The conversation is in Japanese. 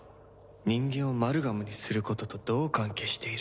人間をマルガムにすることとどう関係している？